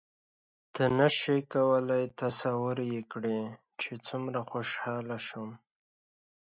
ته نه شې کولای تصور یې کړې چې څومره خوشحاله شوم.